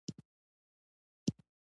مثبته یا منفي طریقه اختیار کوو.